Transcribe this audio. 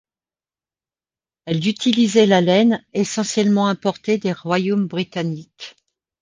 Elle utilisait la laine, essentiellement importée des royaumes britanniques.